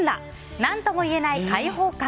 何とも言えない解放感。